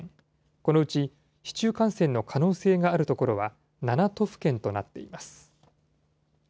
このうち市中感染の可能性がある所は７都府県となっています。